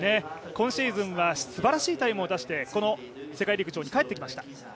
今シーズンはすばらしいタイムを出して世界陸上に帰ってきました。